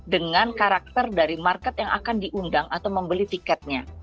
dengan karakter dari market yang akan diundang atau membeli tiketnya